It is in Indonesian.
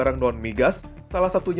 dengan pemerintah saat ini